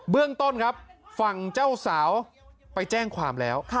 เรื่องต้นครับฝั่งเจ้าสาวไปแจ้งความแล้ว